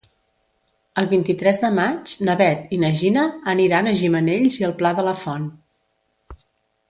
El vint-i-tres de maig na Bet i na Gina aniran a Gimenells i el Pla de la Font.